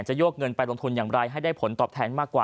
โยกเงินไปลงทุนอย่างไรให้ได้ผลตอบแทนมากกว่า